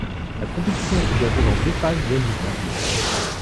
La compétition se déroule en deux phases bien distinctes.